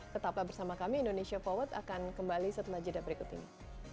tetaplah bersama kami indonesia forward akan kembali setelah jeda berikut ini